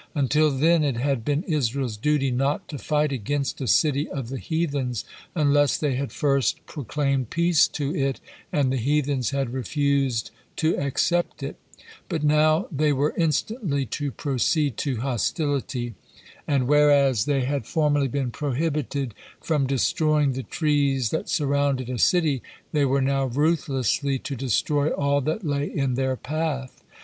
Until then it had been Israel's duty not to fight against a city of the heathens unless they had first proclaimed peace to it and the heathens had refused to accept it, but now they were instantly to proceed to hostility; and whereas they had formerly been prohibited from destroying the trees that surrounded a city, they were now ruthlessly to destroy all that lay in their path.